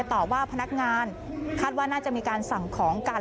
ต่อว่าพนักงานคาดว่าน่าจะมีการสั่งของกัน